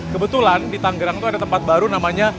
kebetulan di tangerang tuh ada tempat baru namanya